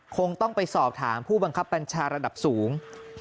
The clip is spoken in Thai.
คงต้องไปสอบถามผู้บังคับบัญชาระดับสูง